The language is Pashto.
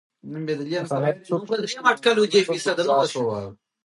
که هر څوک ښه شي، نو نړۍ به ګلزار شي.